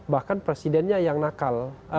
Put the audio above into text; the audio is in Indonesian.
bahkan presidennya yang nakal